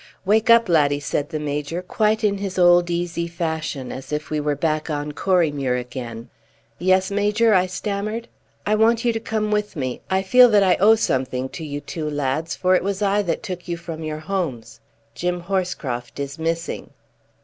"Wake up, laddie," said the Major, quite in his old easy fashion, as if we were back on Corriemuir again. "Yes, Major?" I stammered. "I want you to come with me. I feel that I owe something to you two lads, for it was I that took you from your homes. Jim Horscroft is missing."